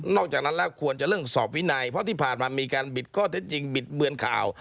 จากนั้นแล้วควรจะเร่งสอบวินัยเพราะที่ผ่านมามีการบิดข้อเท็จจริงบิดเบือนข่าว